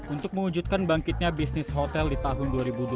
untuk mewujudkan bangkitnya bisnis hotel di tahun dua ribu dua puluh